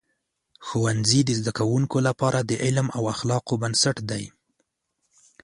ښوونځي د زده کوونکو لپاره د علم او اخلاقو بنسټ دی.